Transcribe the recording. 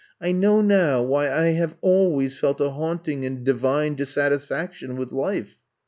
I know now why I have always felt a haunting and divine dissatisfaction with life.''